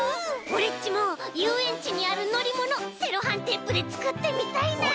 オレっちもゆうえんちにあるのりものセロハンテープでつくってみたいな！